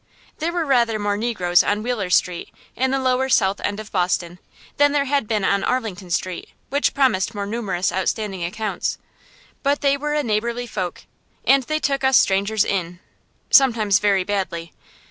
There were rather more Negroes on Wheeler Street, in the lower South End of Boston, than there had been on Arlington Street, which promised more numerous outstanding accounts; but they were a neighborly folk, and they took us strangers in sometimes very badly.